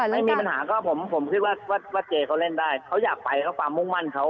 ไม่มีปัญหาก็ผมคิดว่าเจเขาเล่นได้เขาอยากไปเพราะความมุ่งมั่นเขา